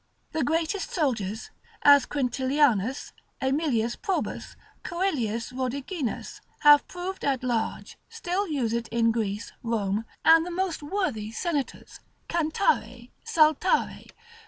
The greatest soldiers, as Quintilianus, Aemilius Probus, Coelius Rhodiginus, have proved at large, still use it in Greece, Rome, and the most worthy senators, cantare, saltare.